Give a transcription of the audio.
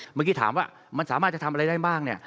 เมื่อกี้ถามว่ามันสามารถจะทำอะไรได้บ้างเนี่ย